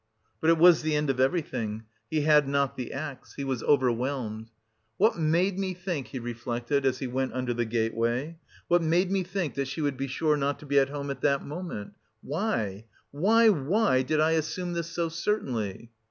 But it was the end of everything; he had not the axe! He was overwhelmed. "What made me think," he reflected, as he went under the gateway, "what made me think that she would be sure not to be at home at that moment! Why, why, why did I assume this so certainly?"